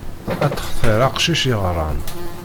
Ad textiṛ aqcic yeɣran.